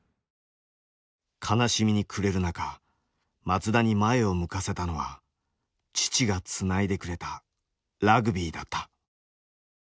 悲しみに暮れる中松田に前を向かせたのは父がつないでくれたラグビーだった。